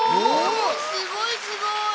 すごいすごい。